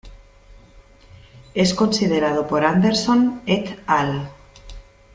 Es considerado por Anderson "et al.